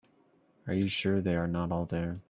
Are you sure they are not all there?